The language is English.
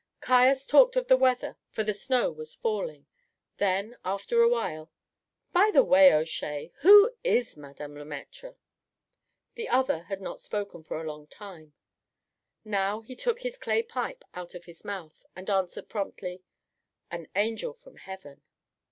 Caius talked of the weather, for the snow was falling. Then, after awhile: "By the way, O'Shea, who is Madame Le Maître?" The other had not spoken for a long time; now he took his clay pipe out of his mouth, and answered promptly: "An angel from heaven."